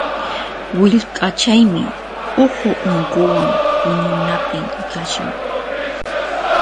Willkachaymi uhu unquywan puñunapim kashan.